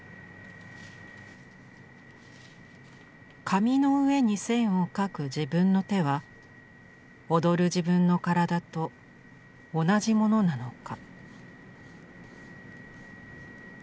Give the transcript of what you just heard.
紙の上に線を描く自分の手は踊る自分の身体と同じものなのか？